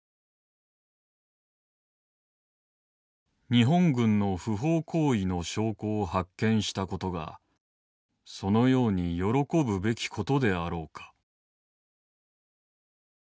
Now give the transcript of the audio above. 「日本軍の不法行為の証拠を発見したことがそのように喜ぶべきことであろうか」。